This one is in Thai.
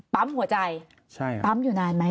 ปั๊มหัวใจปั๊มอยู่นานไหม